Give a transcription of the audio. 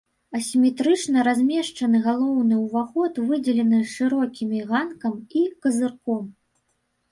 Асіметрычна размешчаны галоўны ўваход выдзелены шырокімі ганкам і казырком.